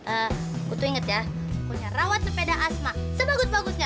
ee kutu inget ya kau nya rawat sepeda asma sebagus bagusnya